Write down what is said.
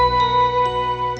sampai jumpa lagi